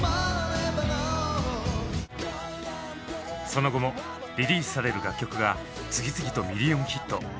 その後もリリースされる楽曲が次々とミリオンヒット。